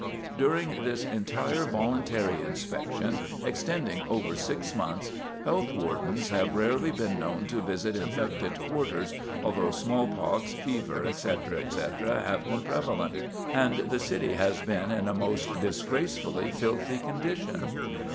During this entire voluntary inspection, extending over six months, health wardens have rarely been known to visit infected quarters, although smallpox, fever, etc., etc., have been prevalent, and the city has been in a most disgracefully filthy condition.